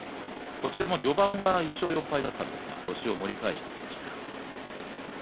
こちらも序盤は１勝４敗だったんですが星を盛り返してきました。